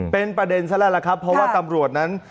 เป็นประเด็นซะแล้วล่ะครับเพราะว่าตำรวจนั้น